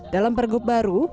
dalam pergub baru